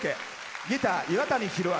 ギター、岩谷弘明。